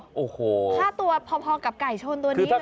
ค่าตัวพอกับไก่ชนตัวนี้เหรอครับ